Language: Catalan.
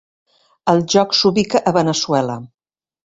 El joc s'ubica a Veneçuela.